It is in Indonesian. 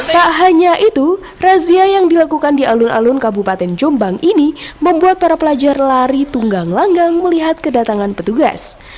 tak hanya itu razia yang dilakukan di alun alun kabupaten jombang ini membuat para pelajar lari tunggang langgang melihat kedatangan petugas